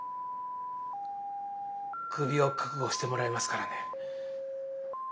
クビを覚悟してもらいますからね。